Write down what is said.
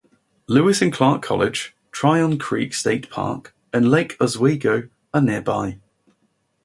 Lewis and Clark College, Tryon Creek State Park, and Lake Oswego are nearby.